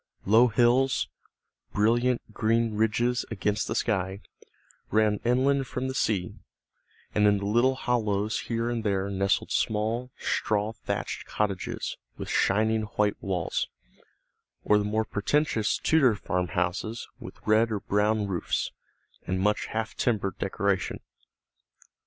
Low hills, brilliant green ridges against the sky, ran inland from the sea, and in the little hollows here and there nestled small straw thatched cottages with shining white walls, or the more pretentious Tudor farmhouses with red or brown roofs, and much half timbered decoration.